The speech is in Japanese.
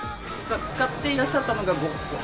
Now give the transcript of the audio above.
使っていらっしゃったのがゴッホとか。